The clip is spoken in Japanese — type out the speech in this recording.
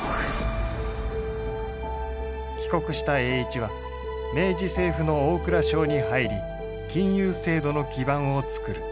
帰国した栄一は明治政府の大蔵省に入り金融制度の基盤を作る。